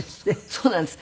そうなんです。